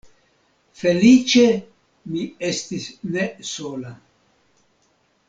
Feliĉe mi estis ne sola.